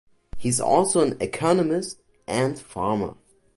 He is also an Economist and Farmer.